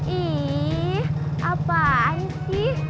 ih apaan sih